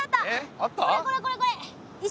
これこれこれこれ石。